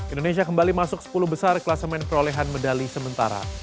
indonesia kembali masuk sepuluh besar kelas main perolehan medali sementara